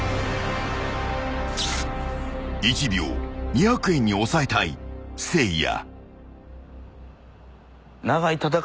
［１秒２００円に抑えたいせいや］